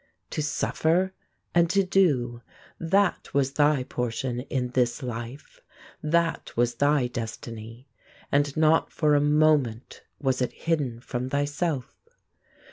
To suffer and to do, that was thy portion in this life; that was thy destiny; and not for a moment was it hidden from thyself.